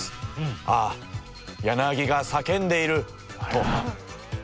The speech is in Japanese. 「ああヤナギが叫んでいる！」と。